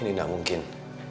ini tidak mungkin